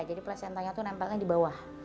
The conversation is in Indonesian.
placentanya tuh nempelnya di bawah